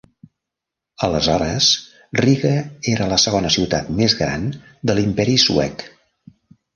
Aleshores, Riga era la segona ciutat més gran de l'imperi Suec.